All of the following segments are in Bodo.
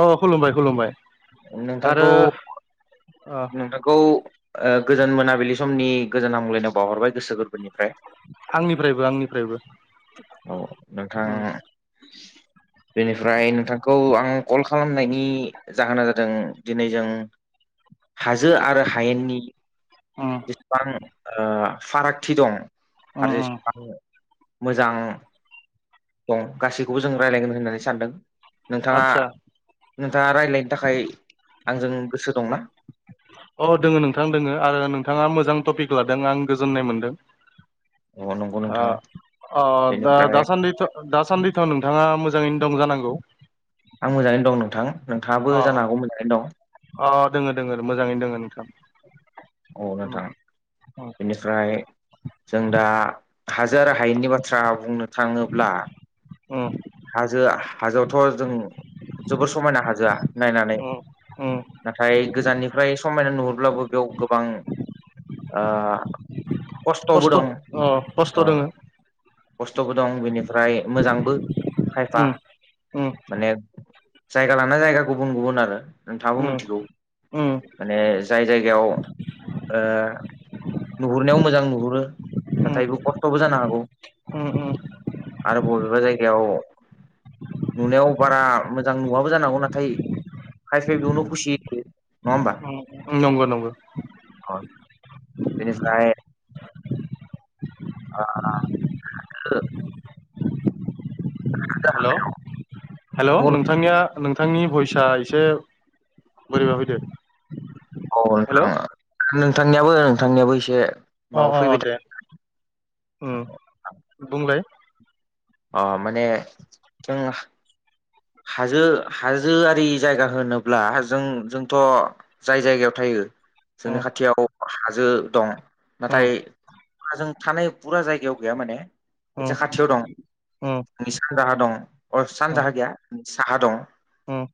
अ खुलुमबाय खुलुमबाय आरो ओ औ गोजोन मोनाबिलि समनि गोजोन हामगलायाव बावहरबाय गोसो गोरबोनिफ्राय। आंनिफ्रायबो आंनिफ्रायबो। औ नोंथां उम बेनिफ्राय नोंथांखौ आं कल खालामनायनि जाहोना जादों दिनै जों हाजो आरो हायेननि ओम जेसेबां ओ फारागथि दं उम आरो उम जेसेबां मोजां दं गासैखौबो जों रायलायगोन होननानै सानदों नोंथाङा आदसा नोंथाङा रायलायनो थाखाय आंजों गोसो दंना। अ दोङो नोंथां दोङो आरो नोंथाङा मोजां टपिक लादों आं गोजोननाय मोनदों अ नंगौ नोंथां अ दा बेनिफ्राय दासान्दि दासान्दिथ' नोंथाङा मोजाङैनो दं जानांगौ। आं मोजाङै दं नोंथां नोंथाङाबो अ जानो हागौ मोजाङै दं। अ दोङो दोङो मोजाङैनो दोङो नोंथां ओम अ बेफ्राय जों दा हाजार हायेननि बाथ्रा बुंनो थाङोब्ला ओम हाजोआ हाजोआवथ' जों जोबोर समायना हाजोआ नायनानै उम उम नाथाय गोजाननिफ्राय समायना नुहुरब्लाबो बेयाव गोबां ओ खस्थ'बो खस्थ' दं अ खस्थ' दोङो खस्थ'बो दं बेनिफ्राय मोजांबो बा उम उम माने जायगा लाना जायगा गुबुन गुबुन आरो नोंथाङाबो उम मिथिगौ उम माने जाय जायगायाव नुहुरनायाव मोजां नुहुरो उम नाथायबो खस्थ'बो जानो हागौ उम उम आरो बबेबा जायगायाव नुनायाव बारा मोजां नुवाबो जानांगौ नाथाय खायसि बियावनो खुसि थायो नंगौ नंगौ बेनिफाय अ हेल' हेल' औ नोंथांनिया नोंथांनि भइसा एसे बोरैब फैदो औ हेल' अ नोंथा नोंथांनियाबो नोंथांनियाबो एसे अ माबा अ अ फैबाय था दे उम बुंलाय अ माने जों हाजो हाजोआरि जायगा होनोब्ला जों जोंथ' जाय जायगायाव थायो अ जोंनि खाथियाव हाजो दं अ नाथाय जों थानाय फुरा जायगायाव गैया माने उम उम नोंनि सानजाहा दं अ सानजाहा गैया नोंनि साहा दं ओम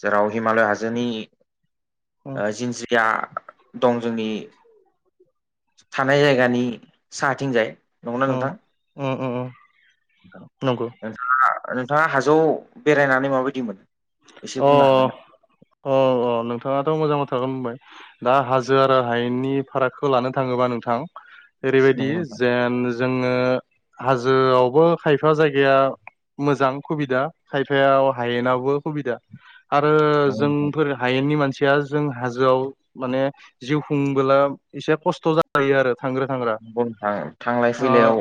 जेराव हिमालय हाजोनि अ ओ जिनज्रिया दं जोंनि थानाय जायगानि साहाथिंजाय नंगौना नोंथां? [unintelligible] नंगौ नोंथाङा नोंथाङा हाजोआव बेरायनानै माबायदि मोनदों अ अ अ नोंथाङाथ' मोजां बाथ्राखौनो होनबाय दा हाजो आरो हायेननि फारागखौ लानो थाङोबा नोंथां ओरैबायदि नंगौ नोंथां जेन जोङो हाजोआवबो खायफा जायगाया मोजां खुबिदा खायफायाव हायेनाबो सुबिदा आरो नंगौ नोंथां। जोंफोर हायेननि मानसिया जों हाजोआव माने जिउ खुंबोला एसे खस्थ' जालायो आरो थांग्रा थांग्रा नंगौ नोंथां थांलाय अ फैलायाव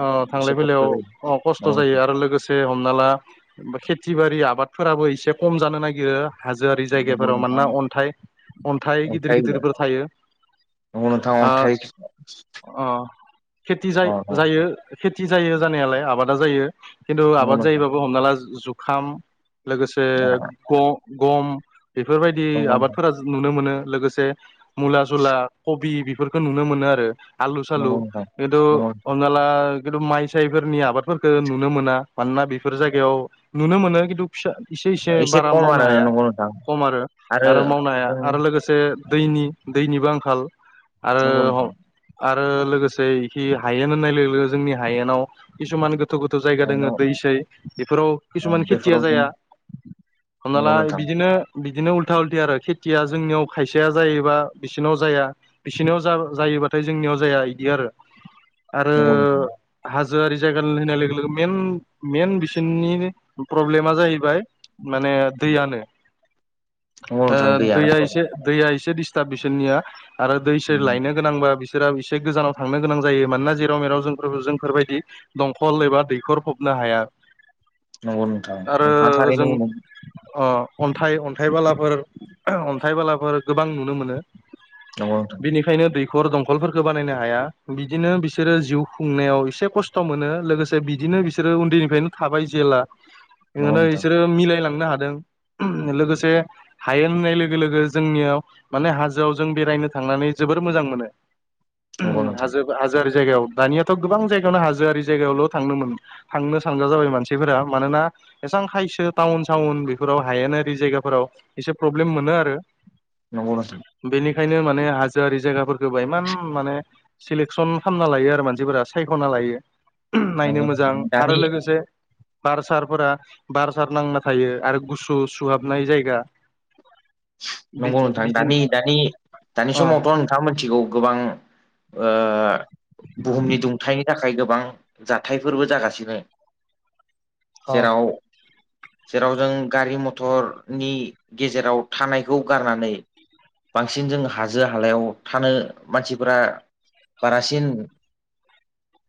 अ एसे थांलाय खस्थ' जायो। फैलायाव खस्थ' नंगौ नोंथां जायो आरो लोगो से हमना ला खेथि बारि आबादफोराबो एसे खम जानो नागिरो हाजोआरि नंगौ जायगाफोराव नोंथां। मानोना अन्थाइ अन्थाइ गिदिर गिदिरफोर थायो नंगौ नोंथां ओ अन्थाइ अ खेथि अ अ जा-जायो खेथि जायो जानायालाय आबादा जायो खिन्थु नंगौ आबाद नोंथां जायोबाबो हमना ला जुखाम लोगोसे ग-गम बेफोरबायदि नंगौ नोंथां आबादफोरा नुनो मोनो लोगोसे मुला जुला कबि बेफोरखौ नुनो मोनो आरो आलु सालु नंगौ नोंथां। [unintelligible] नंगौ जला खिन्थु माइ सायफोरनि आबादफोरखौ नुनो मोना मानोना बेफोर जायगायाव नुनो मोनो खिन्थु फिसा इसे इसे नोंथां एसे बारा खम मावनो आरो हाया नंगौ नोंथां खम आरो आरो मावनो हाया जों आरो लोगो से दैनि दैनिबो आंखाल आरो नंगौ नोंथां आरो लोगोसेखि हायेन होननाय लोगो लोगो जोंनि हायेनाव किसुमान गोथौ गोथौ जायगा दोङो हायेनाव दैसै बेफोराव किसुमान खेथिया बेफोराव जों जाया हमना नंगौ ला नोंथां बिदि नो बिदिनो उल्था उल्थि आरो खेथिया जोंनियाव खायसेया जायोबा बिसोरनाव जाया बिसिनियाव जा-जायोबाथाय जोंनियाव जाया बिदि आरो आरो नंगौ नोंथां हाजोआरि जायगानि होनाय लोगो लोगो मेन मेन बिसोरनि प्रब्लेमा जाहै बा माने दैआनो नंगौ ओ नोंथां दैयानो दैया इसे दैया इसे डिस्टाब बिसोरनिया आरो दै सै प्रब्लेम लायनो गोनांबा बिसो रा एसे गोजानाव थांनो गोनां जायो मानोना जेराव मेराव जोंफोर जोंफोरबायदि दंखल एबा दैखर फबनो हाया नंगौ नोंथां ओ नोंथाङा जों थारैनो बुंदों अ अन्थाइ अन्थाबालाफोर अन्थाइ बालाफोर गोबां नुनो मोनो। नंगौ नोंथां बिनिखायनो दैखर दंखलफोरखो बानायनो हाया बिदिनो बिसोरो जिउ खुंनायाव इसे कस थ' मोनो लोगोसे बिदिनो बिसोरो उन्दैनिफ्रायनो थाबाय जेला नंगौ ओंखायनो नोंथां बिसोरो मिलायलांनो हादों लोगोसे हायेन होननाय लोगो लोगो जोंनियाव माने हाजोआव जों बेरायनो थांनानै जोबोर मोजां मोनो। नंगौ नोंथां हाजो हाजोआरि जायगायाव दानियाथ' गोबां जायगावनो हाजोआरि जायगायावल' थांनोमोन थांनो सानग्रा जाबाय मानसिफोरा मानोना एसे खायसो टाउन सावन बेफोराव हायेनारि जायगाफोराव एसे प्रब्लेम मोनो आरो। नंगौ नोंथां बेनिखायनो माने हाजोआरि जागाफोरखोबो एमान माने सिलेकसन खालामना लायो आरो मानसिफोरा सायख'ना लायो। नायनो नंगौ मोजां नोंथां आरो दानि लोगोसे बार सारफोरा बार सार नांना थायो आरो गुसु सुहाबनाय जायगा नंगौ बिदि नोंथां दानि बिदिनो दानि दानि अ समावथ' नोंथाङा मोनथिगौ गोबां ओ बुहुमनि दुंथायनि थाखाय गोबां जाथायफोरबो जागासिनो। अ जेराव जेराव जों गारि मथरनि गेजेराव थानायखौ गारनानै बांसिन जों हाजो हालायाव थानो मानसिफोरा बारासिन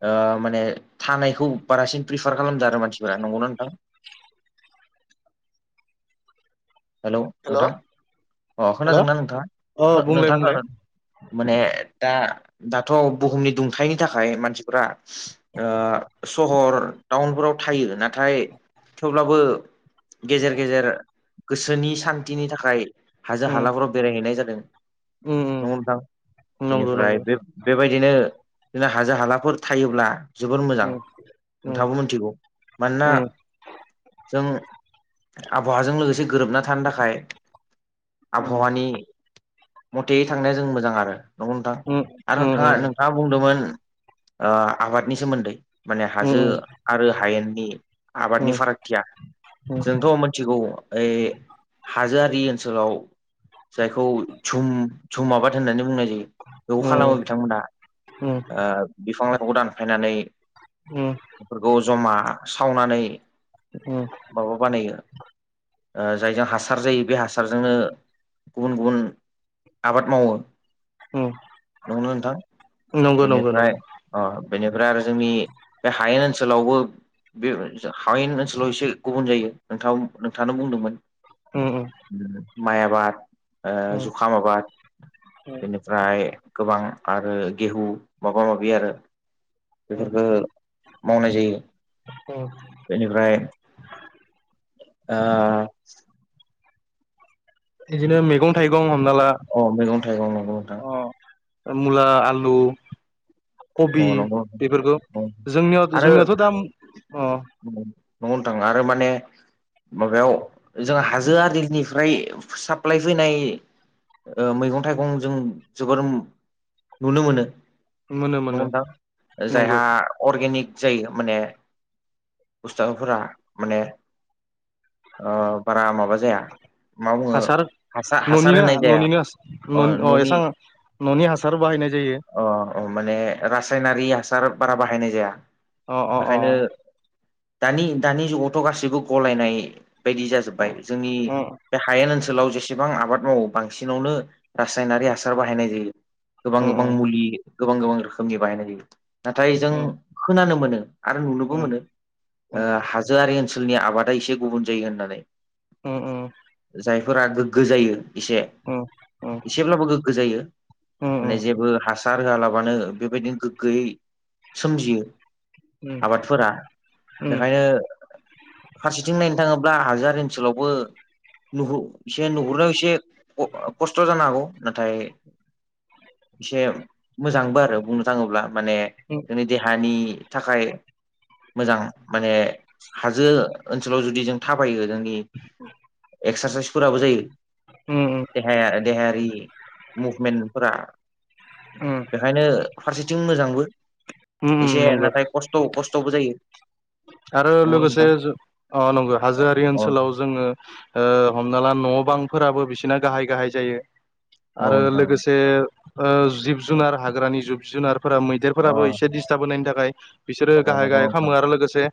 ओ माने थानायखौ बारासिन प्रिफार खालामदो आरो मानसिफोरा नंगौना नोंथां। हेलौ हेल' नोंथां अ हेल' खोनादोंना अ नोंथाङा बुंलाय नोंथाङा बुंलाय खोनादों? माने दा दाथ' बुहुमनि दुंथायनि थाखाय मानसिफोरा ओ सहर टाउनफोराव थायो नाथाय थेवब्लाबो गेजेर गेजेर गोसोनि सान्थिनि थाखाय हाजो उम हालाफोराव बेरायहैनाय जादों। उम नंगौ नोंथां उम नंगौ बेनिफ्राय नंगौ बे बेबायदिनो इनो हाजो हालाफोर थायोब्ला जोबोर मोजां उम उम नोंथाङाबो मोन्थिगौ मानोना उम जों आबहावाजों लोगोसे गोरोबना थान्दाखाय आबहावानि मथेयै थांनाया जों मोजां आरो। नंगौ नोंथां उम आरो उम नोंथाङा नोंथाङा बुंदोमोन ओ आबादनि सोमोन्दै। माने हाजो उम उम आरो हायेननि आबादनि उम फारागथिया जोंथ' मोन्थिगौ ओइ हाजोआरि ओनसोलाव जायखौ झुम झुम आबाद होननानै बुंनाय जायो खौ खालामो बिथांमोना। उम ओ बिफां लाइफांखौ दानफायनानै उम बेफोरखौ जमा सावनानै उम माबा बानायो ओ जायजों हासार जायो बे हासारजोंनो गुबुन गुबुन आबाद मावो उम नंगोना नोंथां नंगौ नंगौ बेनिफ्राय नंगौ ओ बेनिफ्राय आरो जोंनि बे हायेन ओनसोलावबो बे हायेन ओनसोलाव एसे गुबुन जायो नोंथां नोंथाङानो बुंदोंमोन। उम ओम माइ आबाद ओ उम जुखाम आबाद उम बेनि ओमफ्राय गोबां आरो गेहु माबा माबि आरो उम बेफोरफोरखौो मावनाय जायो। उम बेनिफ्राय ओ औ बिदिनो मैगं थाइगं हमना ला अ मैगं थाइगं मगं नोंथां। अ मुला आलु कबि अ नंगौ बेफोरखौ जोंनियाव' जोंनियावथ' दाम अ न'नो थाङो आरो माने माबायाव जोंहा हाजो आरिनिफ्राय साप्लाइ फैनाय मैगं थाइगं जों जोबोर नुनो मोनो। मोनो मोनो नोंगथां नंगौ जायहा अर्गेनिक जायो माने बुस्थांफोरा माने बारा माबा जाया। मा बुङो हासार हासार हासार होनाय न'निनो जाया न'निनो अ एसां न'नि हासार बाहायनाय जायो। अ अ माने रासायनारि हासार बारा बाहायनाय जाया। अ अ बेखायनो दानि दानि जुगावथ' गासैबो गलायनाय बायदि अ जाजोब्बाय जोंनि उम बे हायेन ओनसोलाव जेसेबां आबाद औ बांसिनावनो रासायनारि हासार बाहायनाय जायो। गोबां गोबां उम मुलि गोबां गोबां रोखोमनि बाहायनाय जायो नाथाय जों उम खोनानो मोनो। आरो नुनोबो उम मोनो उम हाजोआरि ओनसोलनि आबादा एसे गुबुन जायो होननानै। उम उम। जायफोरा गोग्गो जायो एसे उम एसेब्लाबो गोग्गो जायो। उम माने जेबो हासार होलाबानो बेबायदिनो गोग्गोयै सोमजियो। आबादफोरा उम बेखायनो फारसेथिं नायनो थाङोब्ला हाजार ओनसोलावबो। न एसे नुहुरनायाव एसे खस्थ' जानो हागौ नाथाय एसे मोजांबो आरो बुंनो थाङोब्ला माने दिै देहानि थाखाय मोजां माने हाजो ओनसोलाव जुदि जों थाबायो जोंनि एक्सारसाइसफोराबो जायो। उम उम। देह देहायारि मुभमेन्टफोरा उम। ओंखायनो फारसेथिं मोजांबो उम उम एसे नंगौ नाथाय खस्थ' खस्थ'बो जायो। आरो लोगोसे नंगौ नंगौ हाजोआरि ओनसोलाव जोङो हमना ला न' बांफोराबो बिसिोरना गाहाय गाहाय जायो। आरो नोंथां लोगोसे जिब जुनार हाग्रानि जिब जुनारफोरा मै अ औ नोंथां अ गिदेरफोराबो एसे डिस्टार्ब होनायनि थाखाय बिसोरो औ गाहाय नंगौ गाहाय नोंथां खालामो आरो लोगोसे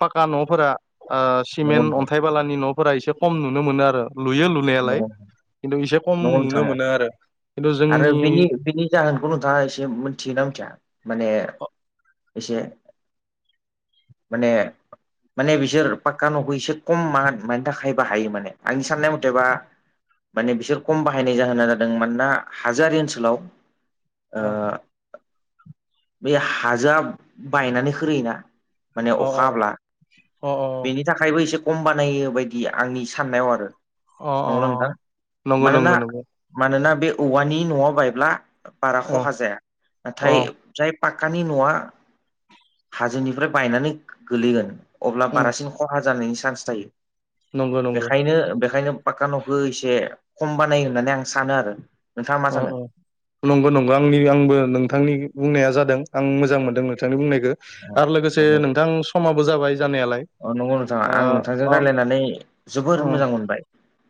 फाक्का न'फोरा नंगौ सिमेन्ट नोंथां अन्थाइ लानि न'फोरा एसे खम नुनो मोनो आरो लुयो लु होननायालाय नंगौ खिन्थु एसे खम नंगौ नुनो नोंथां मोना आरो खिन्थु आरो जोंनि बेनि बेनि जाहोनखौ नोंथाङा एसे मिथियोना मिथिया माने एसे माने माने बिसोर पाक््कानावखौ एसे खम म मानि थाखायबोा हायो माने आंनि साननायाव एेबा माने बिसोर खम बाहायनाय जाहोना जादों मानोना हाजोआरि ओनसोलाव। अ बे हाजोआ बायनानै होयोना। माने अ अखाब्ला अ बेनि थाखायबो एसे खम बानायो बायदि आंनि साननायाव आरो। अ नंगौना नोंथां अ नंगौ मानोना नंगौ नंगौ। मानोना बे औवानि न'आव बायब्ला बारा अ खहा जाया अ नाथाय। जाय पाक्कानि न'आ हाजोनिफ्राय बायनानै गोलैगोन। अब्ला बारासिन खहा जानायनि चान्स थायो नंगौ नंगौ बेखायनो बेखायनो। पाका न'खौ एसे खम बानायो होननानै आं सानो आरो। नोंथाङा मा अ सानो अ। नंगौ नंगौ आंनि आंबो नोंथांनि बुंनाया जादों आं मोजां मोनदों नोंथांनि बुंनायखो। आरो लोगोसे नोंथां समाबो जाबाय जानायालाय। अ नंगौ नोंथाङा आं नोंथांजों ओ अ रायजलायनानै अ जोबोर मोजां मोनबाय।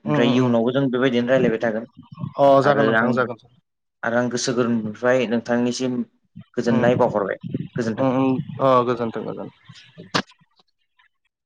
ओमफ्राय इयुनावबो जों बेबायदिनो रायजलायबाय थागोन। अ आरो जागोन आं नोंथां जागोन। आरो आं गोसो गोरबोनिफ्राय नोंथांनिसिम गोजोननाय बावहरबाय गोजोन्थों। अ गोजोन्थों गोजोनथों।